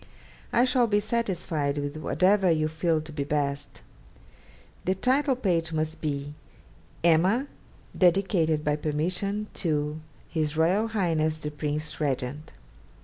I shall be satisfied with whatever you feel to be best. The title page must be "Emma, dedicated by permission to H.R.H. the Prince Regent."